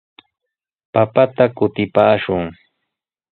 Papata kutipaashun.